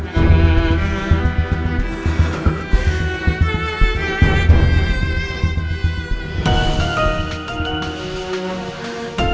kamu harus atuh